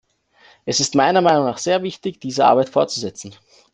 Es ist meiner Meinung nach sehr wichtig, diese Arbeit fortzusetzen.